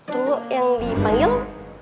tunggu yang dipanggil